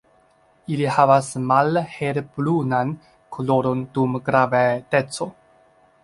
Ili havas malhelbrunan koloron dum gravedeco.